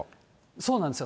そうなんですよ。